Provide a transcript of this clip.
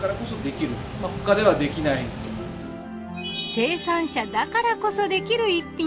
生産者だからこそできる逸品。